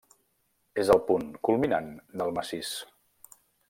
És el punt culminant del massís.